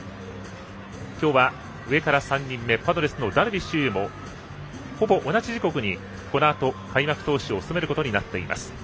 今日は上から３人目パドレスのダルビッシュ有もほぼ同じ時刻に、このあと開幕投手を務めることになっています。